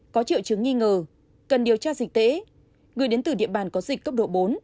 có triệu chứng nghi ngờ cần điều tra dịch tễ người đến từ địa bàn có dịch cấp độ bốn